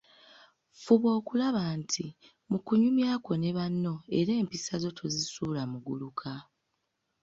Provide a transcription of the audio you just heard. Fuba okulaba nti, mu kunyumya kwo ne banno era empisa zo tozisuula muguluka.